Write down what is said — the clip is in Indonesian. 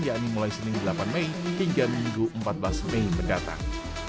yakni mulai senin delapan mei hingga minggu empat belas mei mendatang